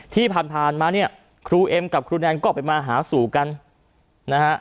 ที่ผ่านมาเนี่ยครูเอ็มกับครูแนนก็ไปมาหาสู่กันนะฮะ